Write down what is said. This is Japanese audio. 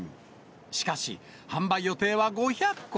しかし、販売予定は５００個。